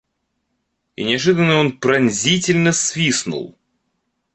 – И неожиданно он пронзительно свистнул.